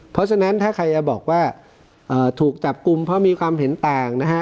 เพราะฉะนั้นถ้าใครจะบอกว่าถูกจับกลุ่มเพราะมีความเห็นต่างนะฮะ